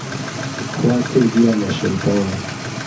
خوا کردیه له شهیتان